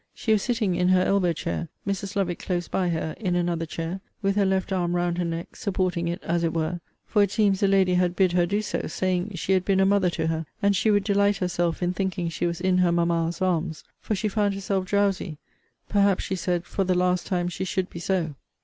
She was sitting in her elbow chair, Mrs. Lovick close by her, in another chair, with her left arm round her neck, supporting it, as it were; for, it seems, the lady had bid her do so, saying, she had been a mother to her, and she would delight herself in thinking she was in her mamma's arms; for she found herself drowsy; perhaps, she said, for the last time she should be so.